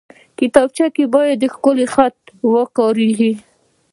کتابچه کې باید ښکلی خط وکارېږي